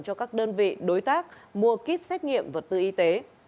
cho các đơn vị đối tác mua kit xét nghiệm vật tư y tế